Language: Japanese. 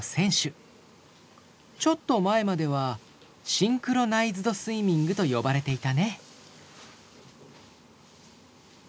ちょっと前まではシンクロナイズドスイミングと呼ばれていたね。